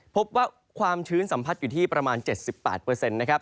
พบว่าความชื้นสัมผัสอยู่ที่ประมาณ๗๘เปอร์เซ็นต์นะครับ